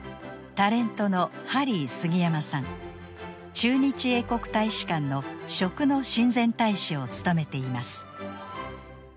駐日英国大使館の食の親善大使を務めています。